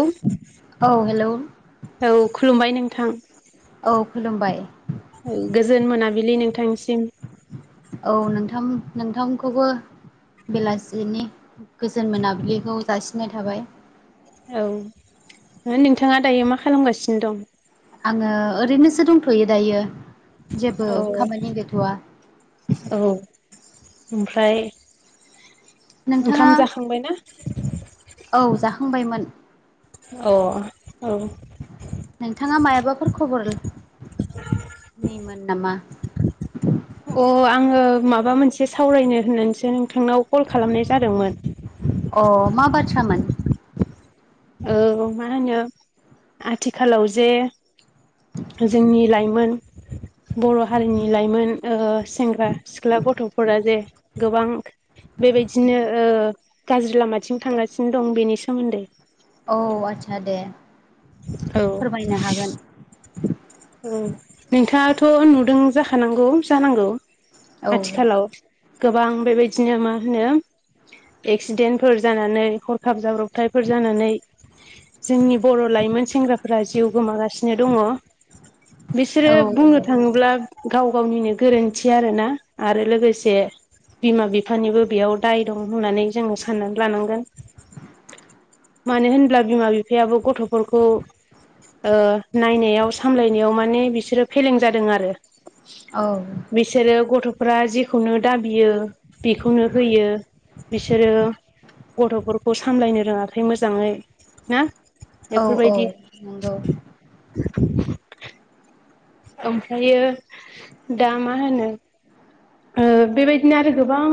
औ औ हेलौ औ खुलुमबाय नोंथां। औ खुलुमबाय। गोजोन मोनाबिलि नोंथांनिसिम औ नोंथां नोंथांखौबो बेलासिनि गोजोन मोनाबिलिखौ जासिननाय थाबाय। औ नोंथाङा दायो मा खालामगासिनो दं आङो ओरैनोसो दंथ'यो दायो। जेबो औ खामानि गैथ'आ औ ओमफ्राय नोंथाङा ओंखाम जाखांबाय ना औ जाखांबायमोन। औ औ। नोंथाङा मायाबाफोर खबर नि मोन नामा अ आङो माबा मोनसे सावरायनो होननानैसो नोंथांनाव कल खालामनाय जादोंमोन। थामोन औ मा होनो आथिखालाव जे जोंनि लाइमोन बर' हारिनि लाइमोन ओ सेंग्रा सिख्ला गथ'फोरा जे गोबां बेबायदिनो ओ गाज्रि लामाथिं थांगासिनो दं बेनि सोमोन्दै औ आदसा दे औ फोरमायनो हागोन औ नोंथाङाथ' नुदों जाखानांगौ जानांगौ। औ आथिखालाव गोबां बेबा दिनो मा होनो एक्सिडेन्टफोर जानानै हरखाब जाब्रब थायफोर जानानै जोंनि बर' लाइमोन सेंग्राफोरा जिउ गोमागासिनो दङ। बिसोरो औ बुंनो थाङोब्ला गाव गावनिनो गोर रोनथि आरोना आरो लोगोसे बिमा बिफानिबो बेयाव दाय दं होननानै जोङो साननानै लानांगोन। मानो होनब्ला बिमा बिफायाबो गथ'फोरखौ ओ नायनायाव सामलायनायाव माने बिसोरो फेलें जादों आरो औ बिसोरो गथ' फ्रा जेखौनो दाबियो बेखौनो होयो बिसोरो गथ'फोरखौ सामलायनो रोङाखै मोजाङै ना औ औ बेफोरबायदि नंगौ। ओमफ्रायो दा मा होनो ओ बेबायदिनो आरो गोबां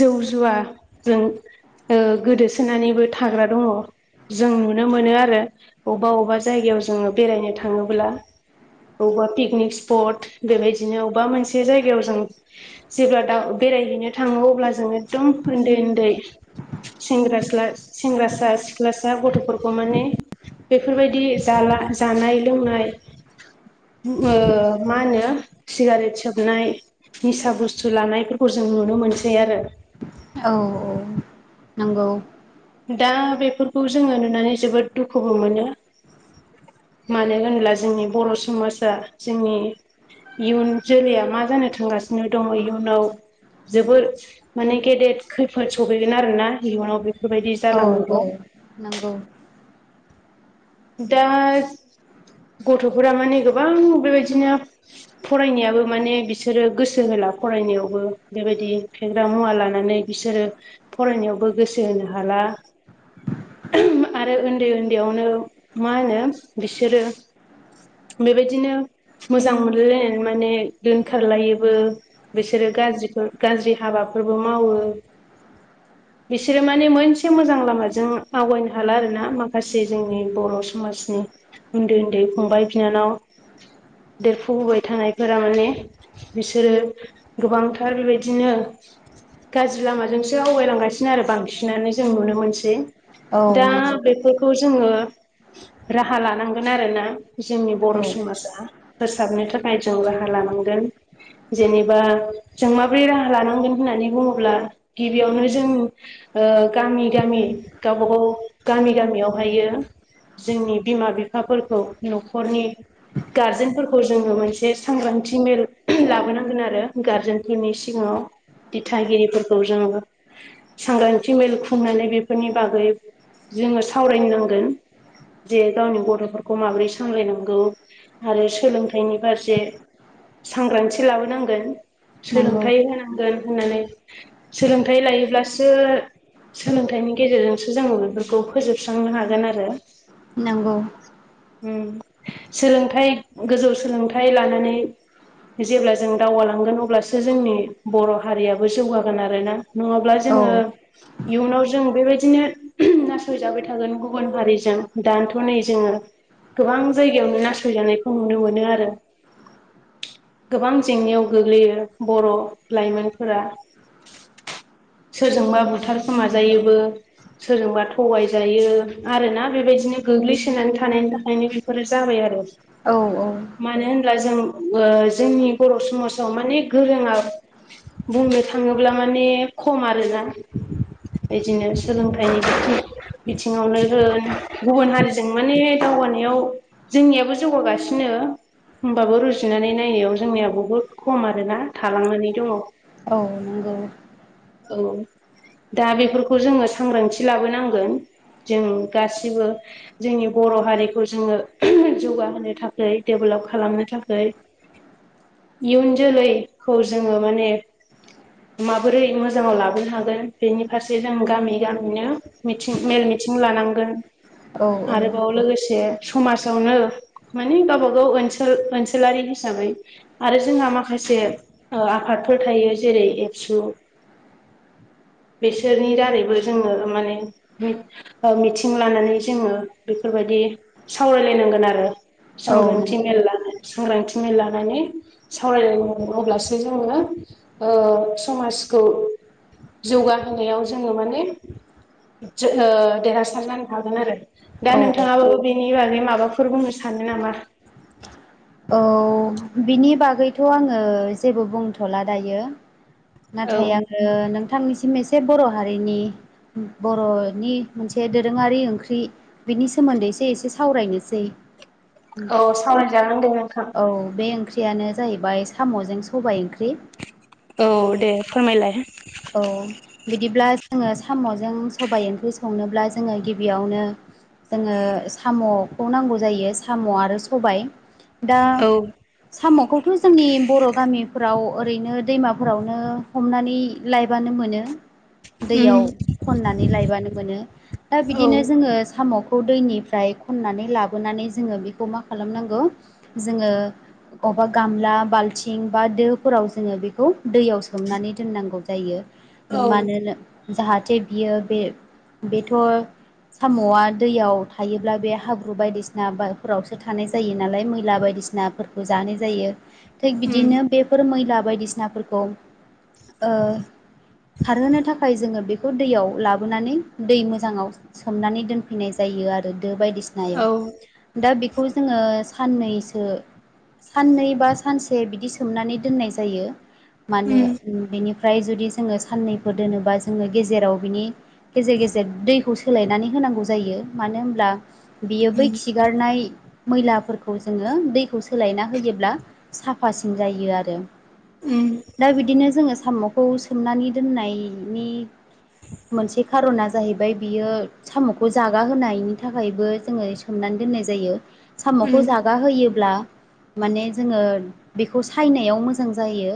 जौ जुवाजों ओ गोदोसोनानैबो थाग्रा दङ जों नुनो मोनो आरो अबा अबा जायगायाव जोङो बेरायनो थाङोब्ला अबा पिकनिक स्पट बेबायदिनो अबा मोनसे जायगायाव जों जेब्ला दाउ बेरायहैनो थाङो अब्ला जों एखदम उन्दै उन्दै सेंग्रासा सिख्लासा गथ'फोरखौ माने बेफोरबायदि जाला जानाय लोंनाय ओ मा होनो सिगारेट सोबनाय निसा बुस्थु लानायफोरखौ जों नुनो मोनसै आरो औ औ नंगौ दा बेफोरखौ जोङो नुनानै जोबोद दुखुबो मोनो मानो होनब्ला जोंनि बर' समाजा जोंनि इयुन जोलैया मा जानो थांगासिनो दङ इयुनाव जोबोर माने गेदेद खैफोद सफैगोन आरोना इयुनाव बे बेफोरबायदि औ औ जालाङोब्ला नंगौ दा गथ'फोरा माने गोबां बेबायदिनो फरायनायाबो माने बिसोरो गोसो होला फरायनायावबो बेबायदि फेग्रा मुवा लानानै बिसोरो फरायनायावबो गोसो होनो हानाय [unintelligible] आरो उन्दै उन्दैयावनो मा होनो बिसोरो बेबायदिनो मोजां मोनलायलायनानै माने दोनखारलायोबो बिसोरो गाज्रिखौ गाज्रि हाबा हाबाफोरबो मावो। बिसोरो माने मोनसे मोजां लामाजों आवगायनो हाला आरो ना माखासे जोंनि बर' समाजनि उन्दै उन्दै फंबाय बिनानाव देरफुबोबाय थानायफोरा माने बिसोरो गोबांथार बेबायदिनो गाज्रि लामाजोंसो आवगायलांगासिनो आरो बांसिनानो जों नुनो मोनसै। औ दा नंगौ बेफोरखौ जोङो राहा लानांगोन आरोना। जोंनि बर' औ समाजा फोसाबनो थाखाय जों राहा लानांगोन। जेनेबा जों माबोरै राहा लानांगोन होननानै बुङोब्ला गिबियावनो जों ओ गामि गामि गावबा गाव गामि गामियावहायो जोंनि बिमा बिफाफोरखौ न'खरनि गार्जेनफोरखौ जोङो मोनसे सांग्रांथि मेल लाबोनांगोन आरो गारजेनफोरनि सिगाङाव दिथागिरिफोरखौ जोङो सांग्रांथि मेल खुंनानै बेफोरनि बागै जोङो सावरायनांगोन। जे गावनि गथ'फोरखौ माबोरै सामलायनांगौ आरो सोलोंथाइनि फारसे सांग्रांथि लाबोनांगोन नंगौ सोलोंथाइ होनांगोन होननानै सोलोंथाइ लायोब्लासो सोलोंथाइनि गेजेरजोंसो जोङो बेफोरखौ फोजोबस्रांनो हागोन आरो। नंगौ ओम सोलोंथाइ गोजौ सोलोंथाइ लानानै जेब्ला जों दावगालांगोन अब्लासो जोंनि बर' हारियाबो जौगागोन आरोना। नङाब्ला औ जोङो इयुनाव जों बेबायदिनो नासयजाबाय थागोन गुबुन हारिजों दानोथ' नै जोङो गोबां जायगायावनो नासयजानायखौ नुनो मोनो आरो। गोबां जेंनायाव गोग्लैयो बर' लाइमोनफोरा। सोरजोंबा बुथारखोमाजायोबो, सोरजोंबा थगाय जायो आरोना बेबायदिनो गोग्लैसोनानै थानायनि थाखायनो बेफोरो जाबाय आरो। औ औ बिदिब्ला जों जोंनि बर' समाजाव माने गोरोङा बुंनो थाङोब्ला माने खम आरोना। बिदिनो सोलोंथाइनि बिथिं बिथिङावनो होन गुबुन हारिजों माने दावगानायाव जोंनियाबो जौगागासिनो होमबाबो रुजुनानै नायनायाव जोंनिया बहुत खम आरोना थालांनानै दङ। औ नंगौ। औ दा बेफोरखौ जोङो सांग्रांथि लाबोनांगोन जों गासिबो जोंनि बर' हारिखौ जोङो जौगाहोनो थाखै डेभल खालामनो थाखै इयुन जोलैखौ जोङो माने माबोरै मोजाङाव लाबोनो हागोन बेनि फारसे जों गामि गामिनो मिथिं मेल मिथिं लानांगोन। औ आरोबाव औ लोगोसे समाजावनो माने गावबागाव ओनसोल ओनसोलारि हिसाबै आरो जोंहा माखासे ओ आफाद फोर थायो जेरै एबसु बेसोरनि दारैबो जोङो माने मि- ओ मिथिं लानानै जोङो बेफोर बायदि सावरायलायनांगोन आरो सांग्रांथि नंगौ मेल लानानै सांग्रांथि मै लानानै सावरायलोन अब्लासो जोङो ओ समाजखौ जौगाहोनायाव जोङो माने जो ओ देरहासार जानो हागोन आरो दा औ नोंथाङाबो बेनि बागै माबाफोर बुंनो सानो नामा? औ बिनि बागैथ' आङो जेबो बुंथ'ला दायो। औ नाथाय आङो नोंथांनिसिम एसे बर' हारिनि बर'नि मोनसे दोरोङारि ओंख्रि बिनि सोमोन्दैसो एसे सावरायनोसै। औ सावराय जागोन। औ बे ओंख्रियानो जाहैबाय साम'जों सबाय ओंख्रि। औ दे फोरमायलाय औ बिदिब्ला जोङो साम'जों सबाय ओंख्रि संनोब्ला जोङो गिबियावनो जोङो साम'खौ नांगौ जायो साम' आरो सबाय। दा औ साम'खौथ' जोंनि बर' गामिफ्राव ओरैनो दैमाफोरावनो हमनानै लायबानो मोनो। उम दैयाव खननानै लायबानो मोनो दा औ बिदिनो जोङो साम'खौ दैनिफ्राय खननानै लाबोनानै जोङो बेखौ मा खालामनांगौ जोङो माबा गामला बाल्थिं बा दोफोराव जोङो बेखौ दैयाव सोमनानै दोननांगौ जायो औ मानोना जाहाथे बियो बे बेथ' साम'आ दैयाव थायोब्ला बे हाब्रु बायदिसिना बा फोरावसो थानाय जायो नालाय मैला बाय बायदिसिनाफोरखौ जानाय जायो। थिग उम बिदिनो बेफोर मैला बायदिसिनाफोरखौ ओ [inaudible] खारहोनो थाखाय जोङो बेखौ दैयाव लाबोनानै दै मोजाङाव सोमनानै दोनफैनाय जायो आरो। बायदिसिनायाव दा बेखौ जोङो साननैसो साननै बा सानसे बिदि सोमनानै दोननाय जायो। मानो बेनि ओमफ्राय जुदि जोङो साननैफोर दोनोबा जोङो गेजेराव बिनि गेजेर गेजेर दैखौ सोलायनानै होन नांगौ जायो मानो होनोमब्ला बियो बै खिगारनाय मैलाफोरखौ जोङो दैखौ सोलायना होयोब्ला साफासिन जायो आरो। दा बिदिनो जोङो साम'खौ सोमनानै दोननायनि मोनसे खार'ना जाहैबाय बियो साम'खौ जागा होनायनि थाखायबो जोङो सोमनानै दोननाय जायो। साम'खौ जागा होयोब्ला माने जोङो बेखौ सायनायाव मोजां जायो।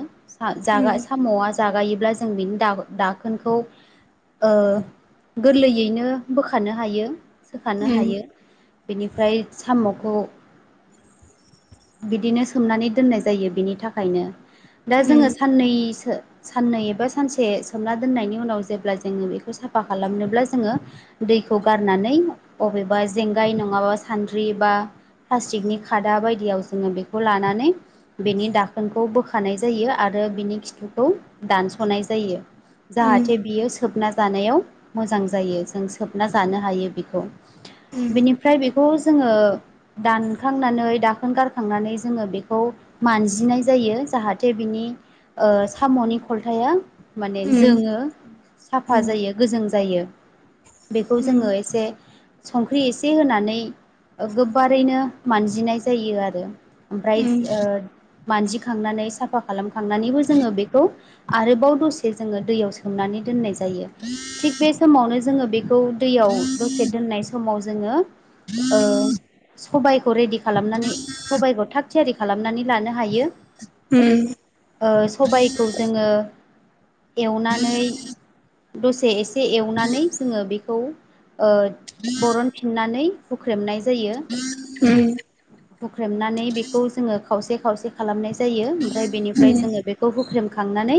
जागा साम'आ जागायोब्ला जों बेनि दा दाखोनखौ ओ गोरलैयैनो बोखानो हायो। सोखानो हायो बेनिफ्राय साम' ओ बिदिनो सोमनानै दोननाय जायो बिनि थाखायनो दा जोङो साननैसो साननै एबा सानसे सोमना दोननायनि उनाव जेब्ला जोङो बेखौ साफा खालामनोब्ला जोङो दै खौ गारनानै बबेबा जेंगाय नङाबा सान्द्रि बा प्लास्टिकनि खादा बायदियाव जोङो बेखौ लानानै बेनि दाखोनखौ बोखानाय जायो आरो बिनि खिथुखौ दस'नाय जायो जाहाथे बियो सोबना जानायाव मोजां जायो जों सोबना जानो हायो बेखौ बिनिफ्राय बेखौ जोङो दानखांनानै दा खोन गारखांनानै जोङो बेखौ मानजिनाय जायो जाहाथे बिनि ओ साम'नि खलथाया माने उम जोंङो साफा उम जायो गोजों जायो। बेखौ उम जोङो एसे संख्रि एसे होनानै गोबारैनो मानजिनाय जायो आरो। ओमफ्राय उम ओ मानजिखांनानै साफा खालामखांनानैबो जोङो बेखौ आरोबाव दसे जोङो दैयाव सोमनानै दोननाय जायो थिग बे समावनो जोङो बे बे खौ दैयाव दसे दोननाय समाव जोङो सबायखौ रेडि खालाम खालामनानै सबायाइखौ थाग थियारि खालामनानै लानो हायो उम ओ सबायखौ जोङो एवनानै दसे एसे एवनानै जोङो बेखौ बरनफिननानै हुख्रेमनाय जायो [inaudible] हुख्रेमनानै बेखौ जोङो खावसे खावसे खालामनाय जायो ओमफ्राय बेनिफ्राय उम जोङो बेखौ हुख्रेमखांनानै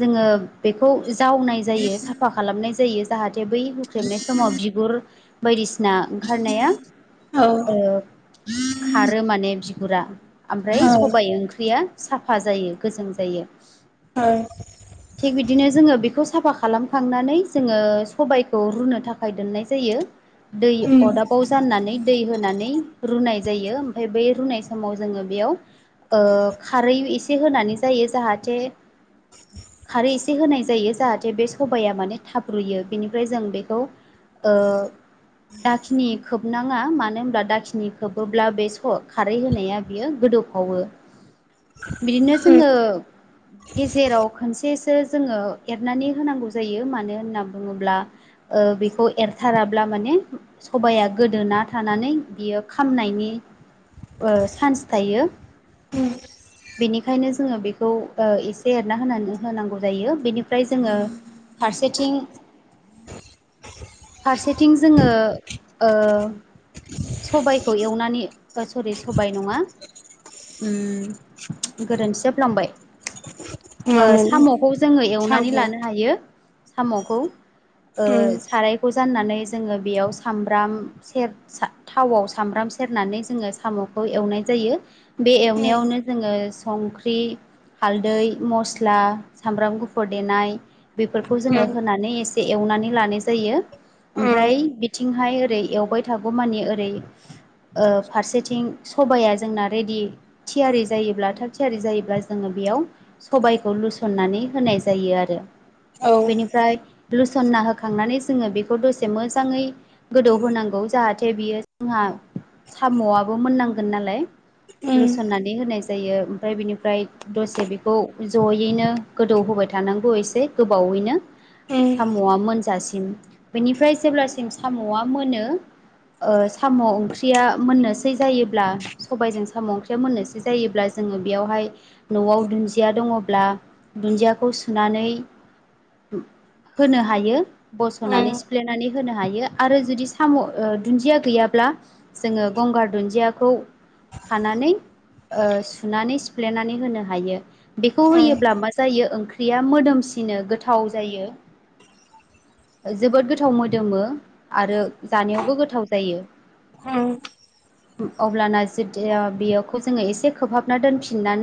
जोङो बेखौ जावनाय जायो साफा खालामनाय जायो जाहाथे बै हुख्रेबनाय समाव बिगुर बायदिसिना ओंखारनाया औ ओ खारो माने बिगुरा ओमफ्राय औ सबायाइ ओंख्रिया साफा जायो गोजों जायो औ थिग बिदिनो जोङो बेखौ साफा खालामखांनानै जोङो सबायखौ रुनो थाखाय दोननाय जायो दै उम अरदाबाव जानानै दै होनानै रुनाय जायो ओमफफ्राय बै रुनाय समाव जोङो बेयाव खारै एसे होनानै जायो जाहाथे खारै एसे होनाय जायो जाहाथे बे सबाया माने थाब रुयो बेनिफ्राय जों बेखौ ओ दाखिनि खोबनाङा मानो होनब्ला दाखिनि खोबोब्ला बे स खारै होनाया बियो गोदोव पावयो बिदिनो उम जो जेराव खनसेसो जोङो एरनानै होनांगौ जायो मानो होनना बुङोब्ला बेखौ खौ एरथाराब्ला माने सबाया गोदोना थानानै बियो खामनायनि चान्स थायो बेनिखायनो जोङो बेखौ एसे एरना होनानै होनांगौ जायो बेनिफ्राय जोङो फारसेथिं फारसेथिं जोङो ओ सबायखौ एवनानै सरि सबाय नङा उ गोरोन्थि जफ्लांबाय मामोन साम'खौ जोङो साम' एवनानै लानो हायो साम'खौ ओ उम साराय खौ जनानै जोङो बेयाव सामब्राम सेर थावआव सामब्राम सेरनानै जोङो साम' खौ एवनाय जायो बे उम एवनायावनो जोङो संख्रि हालदै मस्ला सामब्राम गुफुर देनाय बेफोरखौ जोङो उम होनानै एसे एवनानै लानाय जायो उम ओमफ्राय बिथिंहाय ओरै एवबाय थागौ मानि ओरै फारसेथिं सबाया जोंना रेडि थियारि जायोब्ला थाग थियारि जायोब्ला जोङो बेयाव सबायखौ लुसननानै होनाय जायो आरो औ उम बेनिफ्राय लुसना होखांनानै जोङो बेखौ खौ दसे मोजाङै गोदौ होनांगौ जाहाथे बियो जोंहा साम'आबो मोननांगोन नालाय लुसननानै होनाय जायो ओमफ्राय बिनिफ्राय दसे बेखौ जयैनो गोदौहोबाय थानांगौसे गोबावैनो उम साम'आ मोनजासिम बेनिफ्राय जेब्लासिम साम'आ मोनो साम' ओंख्रिया मोननोसै जायोब्ला सबायजों साम' ओंख्रिया मोननोसै जायोब्ला जोङो बेयावहाय न'आव दुन्दिया दङब्ला दुन्दियाखौ सुनानै होनो हायो उम बस'नानै नानै होनो हायो आरो जुदि साम' दुन्दिया गैयाब्ला जोङो गंगार दुन्दियाखौ खानानै सुनानै सिफ्लेनानै होनो हायो बेखौ उम होयोब्ला मा जायो ओ ओंख्रिया मोदोमसिनो गोथाव जायो जबो गोथाव गोथाव मोदोमो आरो जानायावबो गोथाव जायो [unintelligible] अब्लाना जदि बेयावखौ जोङो एसे खोबहाबना दोनफिननान